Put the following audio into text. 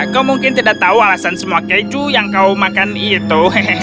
kau mungkin tidak tahu alasan semua keju yang kau makan itu